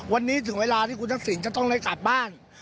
วันนี้ถึงเวลาที่คุณทักษิณจะต้องได้กลับบ้าน